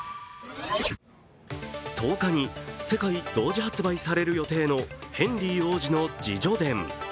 １０日に世界同時発売される予定のヘンリー王子の自叙伝。